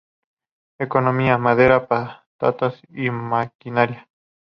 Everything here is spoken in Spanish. Economía: Madera, patatas y maquinaria.